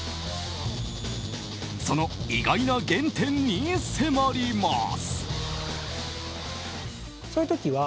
その意外な原点に迫ります。